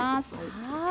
はい。